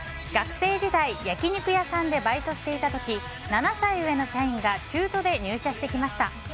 学生時代焼き肉屋さんでバイトしていた時７歳上の社員が中途で入社してきました。